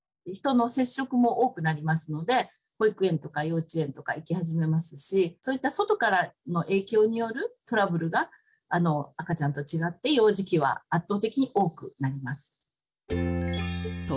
人の接触も多くなりますので保育園とか幼稚園とか行き始めますしそういった外からの影響によるトラブルがあの赤ちゃんと違って幼児期は圧倒的に多くなります。